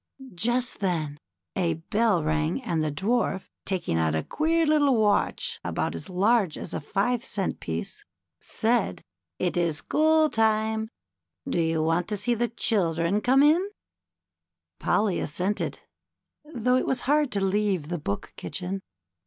Just then a bell rang and the Dwarf, taking out a queer little watch about as large as a five cent piece, POLLY'S VISIT TO THE BOOK KITCHEN. 179 said, is school time. Do you want to see the chil dren come in ? Polly assented, though it was hard to leave the Book Kitchen.